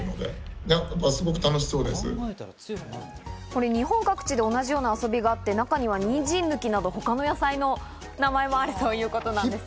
これ日本各地で同じような遊びがあって、中にはにんじん抜きなど、他の野菜の名前もあるということです。